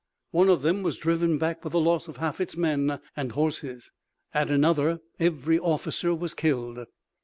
One of them was driven back with the loss of half its men and horses. At another every officer was killed.